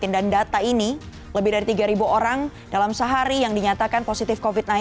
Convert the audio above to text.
dan data ini lebih dari tiga orang dalam sehari yang dinyatakan positif covid sembilan belas